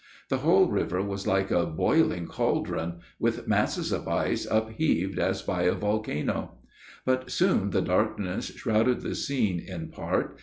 The whole river was like a boiling cauldron, with masses of ice upheaved as by a volcano. But soon the darkness shrouded the scene in part.